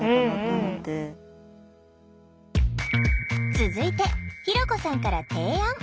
続いてひろこさんから提案。